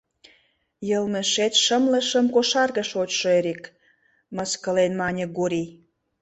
— Йылмешет шымле шым кошарге шочшо, Эрик! — мыскылен мане Гурий.